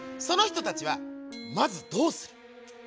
その人たちはまずどうする？